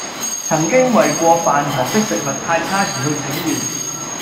曾經為過飯堂的食物太差而去請願